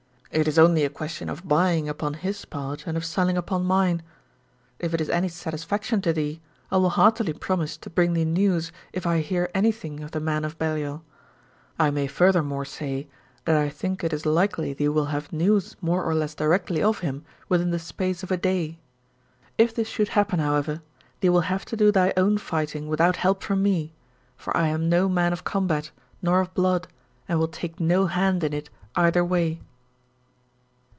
It is only a question of buying upon his part and of selling upon mine. If it is any satisfaction to thee I will heartily promise to bring thee news if I hear anything of the man of Belial. I may furthermore say that I think it is likely thee will have news more or less directly of him within the space of a day. If this should happen, however, thee will have to do thy own fighting without help from me, for I am no man of combat nor of blood and will take no hand in it either way."